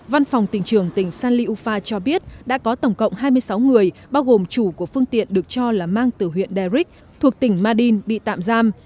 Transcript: văn phòng tỉnh trường tỉnh san liufa cho biết đã có tổng cộng hai mươi sáu người bao gồm chủ của phương tiện được cho là mang từ huyện deric thuộc tỉnh madin bị tạm giam